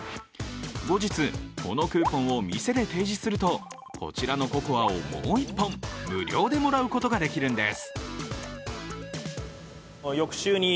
後日、このクーポンを店で提示すると、こちらのココアをもう１本、無料でもらうことができるんです。